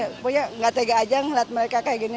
pokoknya nggak tega aja ngeliat mereka kayak gini